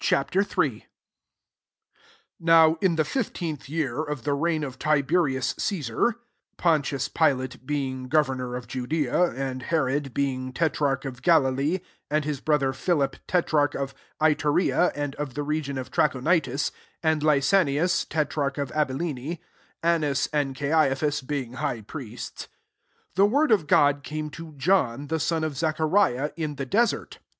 hi. 1 NOW in the fif teenth year of the reign of Ti berius Cesar, (Pontius Pilate being governor of Judea, and Herod being tetrarch of Galilee, and his brother Philip tetrarch of Iturea and of the region of Trachonitis, and Lysanias te trarch of Abilene, 2 Annas and Caiaphas being high priests,) the word of God came to John» the son of Zachariah, in the desert.